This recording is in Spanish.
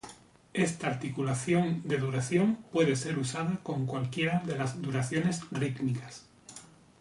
Esta articulación de duración puede ser usada con cualquiera de las duraciones rítmicas.